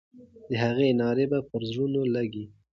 د هغې ناره به پر زړونو لګي.